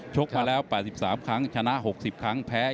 ชกมาแล้ว๘๓ครั้งชนะ๖๐ครั้งแพ้๒๓ครั้ง